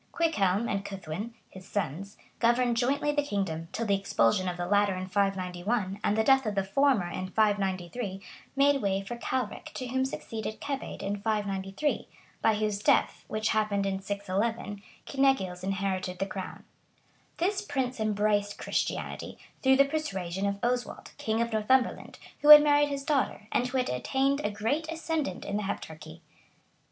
Cuichelme, and Cuthwin, his sons, governed jointly the kingdom, till the expulsion of the latter in 591, and the death of the former in 593, made way for Cealric, to whom succeeded Ceobaîd in 593, by whose death, which happened in 611, Kynegils inherited the crown. [ Chron. Sax. p. 22.] This prince embraced Christianity,[*] through the persuasion of Oswald, king of Northumberland, who had married his daughter, and who had Attained a great ascendant in the Heptarchy.